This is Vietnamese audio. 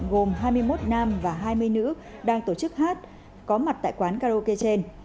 gồm hai mươi một nam và hai mươi nữ đang tổ chức hát có mặt tại quán karaoke trên